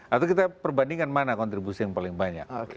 atau kita perbandingkan mana kontribusi yang paling banyak